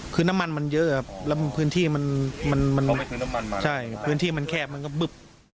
คือน้ำมันมันเยอะแล้วพื้นที่มันแคบมันก็ปึ๊บ